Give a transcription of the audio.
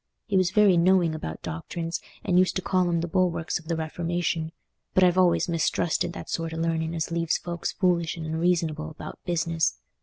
He was very knowing about doctrines, and used to call 'em the bulwarks of the Reformation; but I've always mistrusted that sort o' learning as leaves folks foolish and unreasonable about business.